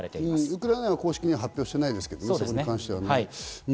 ウクライナは公式には発表してないですけどね、そこに関しては。